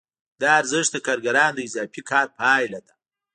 دا ارزښت د کارګرانو د اضافي کار پایله ده